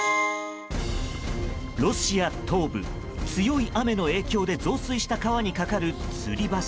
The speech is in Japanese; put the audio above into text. ロシア東部、強い雨の影響で増水した川にかかるつり橋。